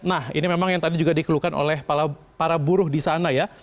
nah ini memang yang tadi juga dikeluhkan oleh para buruh di sana ya